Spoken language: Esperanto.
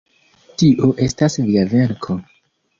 Tio estas via venko.